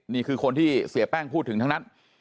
นี่คือคนที่เสียแป้งพูดถึงทั้งนั้น